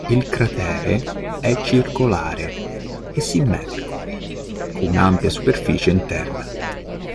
Il cratere è circolare e simmetrico, con un'ampia superficie interna.